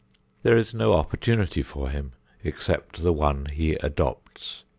There is no opportunity for him except the one he adopts.